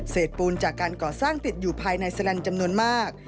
ปูนจากการก่อสร้างติดอยู่ภายในแสลนด์จำนวนมาก